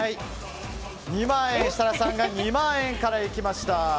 設楽さんが２万円からいきました。